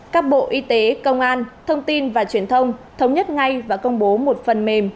các bộ y tế công an thông tin và truyền thông thống nhất ngay và công bố một phần mềm